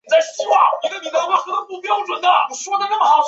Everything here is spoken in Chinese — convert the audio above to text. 薄荷醇等多种成分有明显的利胆作用。